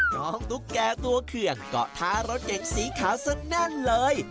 น้องตุ๊กแกตัวเขื่องก็ทารถเย็งสีขาวเสน่ห์แน่นเลย